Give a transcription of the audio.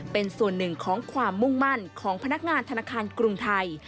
เป็นส่วนหนึ่งของความมุ่งมั่นของพนักงานธนาคารกรุงไทย